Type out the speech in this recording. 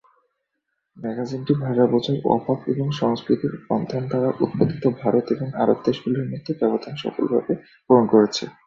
ম্যাগাজিনটি ভাষা বোঝার অভাব এবং সাংস্কৃতিক বন্ধন দ্বারা উৎপাদিত ভারত এবং আরব দেশগুলির মধ্যে ব্যবধান সফলভাবে পূরণ করেছে।